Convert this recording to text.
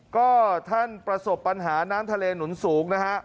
ก็ท่านประสบปัญหาน้ำทะเลหนุนสูงนะฮะ